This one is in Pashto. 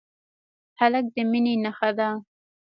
هلک د مینې نښه ده.